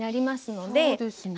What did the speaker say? そうですね。